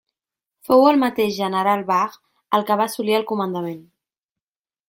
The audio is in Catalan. Fou el mateix general Barre el que va assolir el comandament.